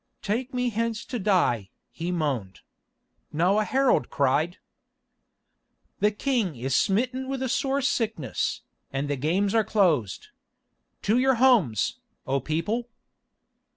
"Take me hence to die," he moaned. Now a herald cried: "The king is smitten with a sore sickness, and the games are closed. To your homes, O people."